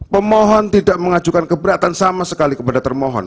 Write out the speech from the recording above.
pemohon tidak mengajukan keberatan sama sekali kepada termohon